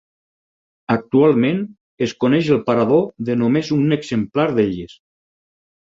Actualment es coneix el parador de només un exemplar d'elles.